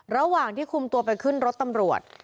ระหว่างที่คุมตัวไปขึ้นรถตำรวจ